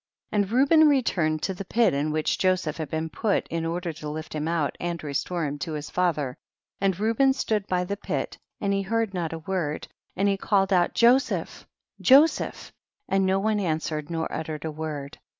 2. And Reuben returned to the pit in which Joseph had been put, in order to lift him out, and restore him to his father, and Reuben stood by the pit, and he heard not a word, and he called out Joseph ! Joseph ! and no one answered nor uttered a word.